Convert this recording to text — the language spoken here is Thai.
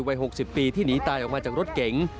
วัย๖๐ปีที่หนีตายออกมาจากรถเก๋ง